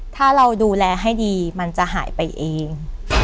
ถ้าเราดูแลให้ดีมันจะหายไปเอง